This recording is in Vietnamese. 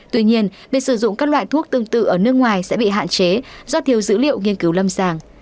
tuy nhiên việc sử dụng các loại thuốc tương tự ở nước ngoài sẽ bị hạn chế do thiếu dữ liệu nghiên cứu lâm sàng